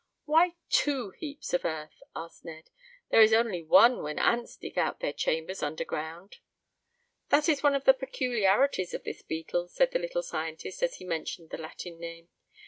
"Why two heaps of earth?" asked Ned. "There is only one when ants dig out their chambers under ground." "That is one of the peculiarities of this beetle," said the little scientist, as he mentioned the Latin name.